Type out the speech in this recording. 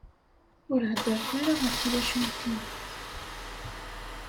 Ur heddret ara ɣef twacult-iw.